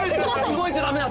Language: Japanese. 動いちゃダメだ！